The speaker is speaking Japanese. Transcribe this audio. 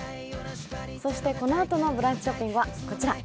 そしてこのあとの「ブランチショッピング」はこちら。